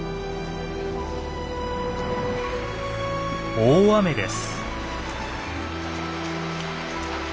大雨です。